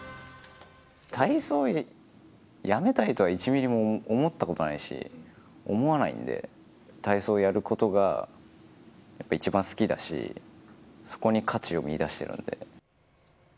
体操辞めたいとは１ミリも思ったことないし、思わないんで、体操やることがやっぱり一番好きだし、そこに価値を見いだしてるんで。